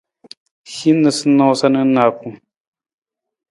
Hin noosanoosa na nijakung.